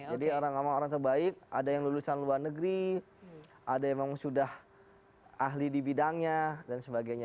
jadi orang orang terbaik ada yang lulusan luar negeri ada yang memang sudah ahli di bidangnya dan sebagainya